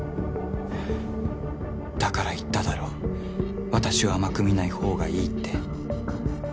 「だから言っただろ私を甘く見ない方がいいって」